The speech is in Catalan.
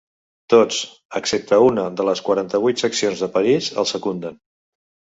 Tots, excepte una de les quaranta-vuit seccions de París, el secunden.